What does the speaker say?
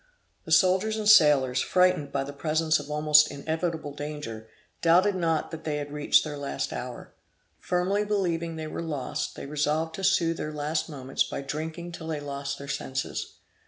The soldiers and sailors, frightened by the presence of almost inevitable danger, doubted not that they had reached their last hour. Firmly believing they were lost, they resolved to soothe their last moments by drinking till they lost their senses.